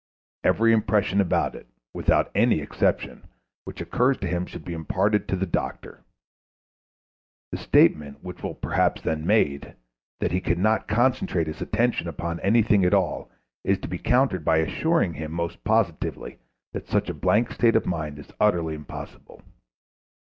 Every impression about it, without any exception, which occurs to him should be imparted to the doctor. The statement which will be perhaps then made, that he cannot concentrate his attention upon anything at all, is to be countered by assuring him most positively that such a blank state of mind is utterly impossible.